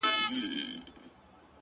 • ټول عمر ښېرا کوه دا مه وايه،